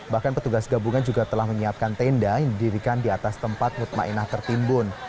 bahkan petugas gabungan juga telah menyiapkan tenda yang didirikan di atas tempat mutmainah ⁇ tertimbun